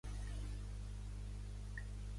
La masia és desapareguda.